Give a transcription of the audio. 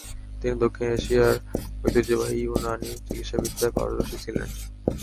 তিনি দক্ষিণ এশিয়ার ঐতিহ্যবাহী ইউনানি চিকিৎসাবিদ্যায় পারদর্শী ছিলেন।